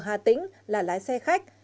ở hà tĩnh là lái xe khách